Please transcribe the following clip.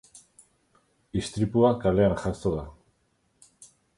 Istripua kalean jazo da.